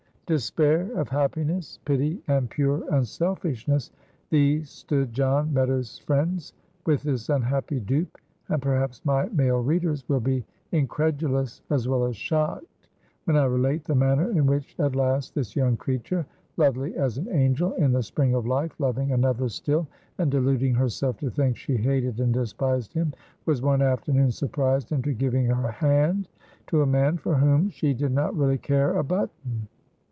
Despair of happiness, pity, and pure unselfishness, these stood John Meadows' friends with this unhappy dupe, and perhaps my male readers will be incredulous as well as shocked when I relate the manner in which at last this young creature, lovely as an angel, in the spring of life, loving another still, and deluding herself to think she hated and despised him, was one afternoon surprised into giving her hand to a man for whom she did not really care a button.